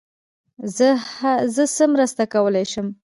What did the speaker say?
زه څه مرسته کولای سم.